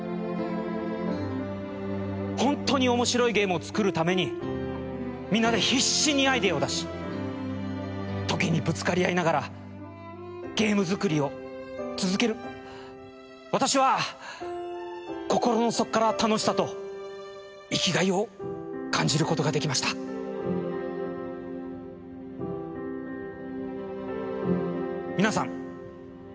ホントに面白いゲームを作るためにみんなで必死にアイデアを出し時にぶつかり合いながらゲーム作りを続ける私は心の底から楽しさと生きがいを感じることができました皆さん